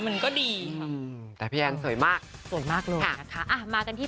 มันก็ดีค่ะแต่พี่แอนสวยมากสวยมากเลยนะคะอ่ะมากันที่